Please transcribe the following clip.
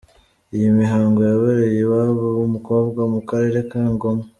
Iyo mihango yabereye iwabo w’umukobwa mu karere ka Ngoma.